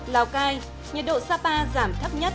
lào cai nhiệt độ sapa giảm thấp nhất